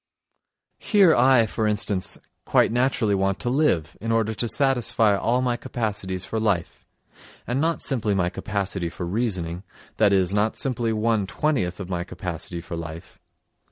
Here I, for instance, quite naturally want to live, in order to satisfy all my capacities for life, and not simply my capacity for reasoning, that is, not simply one twentieth of my capacity for life.